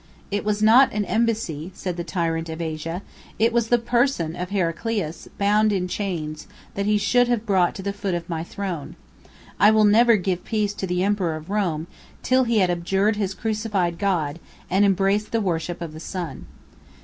"It was not an embassy," said the tyrant of Asia, "it was the person of Heraclius, bound in chains, that he should have brought to the foot of my throne. I will never give peace to the emperor of Rome, till he had abjured his crucified God, and embraced the worship of the sun."